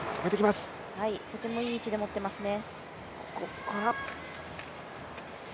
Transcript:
とてもいい位置で持ってますね。